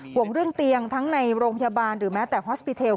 ห่วงเรื่องเตียงทั้งในโรงพยาบาลหรือแม้แต่ฮอสปีเทล